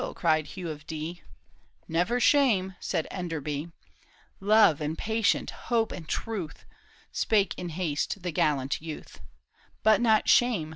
cried Hugh of Dee: " Never shame," said Enderby ;" Love and patience, hope and truth," Spake in haste the gallant youth, " But not shame.